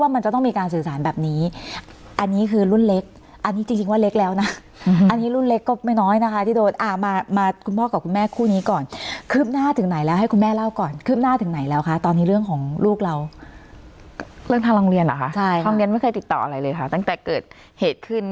มันจะต้องมีการสื่อสารแบบนี้อันนี้คือรุ่นเล็กอันนี้จริงว่าเล็กแล้วนะอันนี้รุ่นเล็กก็ไม่น้อยนะคะที่โดนมาคุณพ่อกับคุณแม่คู่นี้ก่อนคืบหน้าถึงไหนแล้วให้คุณแม่เล่าก่อนคืบหน้าถึงไหนแล้วคะตอนนี้เรื่องของลูกเราเรื่องทางโรงเรียนเหรอคะใช่โรงเรียนไม่เคยติดต่ออะไรเลยค่ะตั้งแต่เกิดเหตุขึ้น